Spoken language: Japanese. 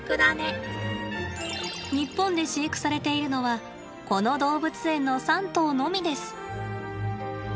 日本で飼育されているのはこの動物園の３頭のみです。